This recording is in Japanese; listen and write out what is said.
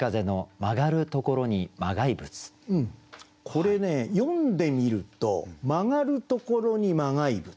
これね読んでみると「曲がるところに磨崖仏」。